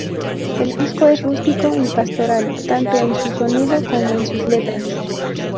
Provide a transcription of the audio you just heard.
El disco es rústico y pastoral, tanto en su sonido como en sus letras.